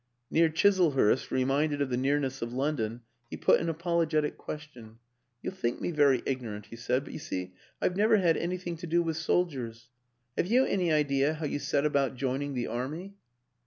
Near Chislehurst, reminded of the nearness of London, he put an apologetic question. " You'll think me very ignorant," he said, " but you see I've never had anything to do with sol diers. Have you any idea how you set about joining the Army?